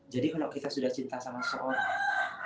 jadi kalau kita sudah cinta sama seseorang